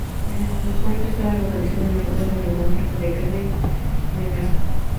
El fuerte estaba localizado en la ruta de Oregón, cerca de Kearney, Nebraska.